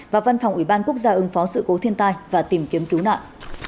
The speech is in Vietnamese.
và văn phòng ủy ban quốc gia ứng phó sự cố thiên tai và tìm kiếm cứu nạn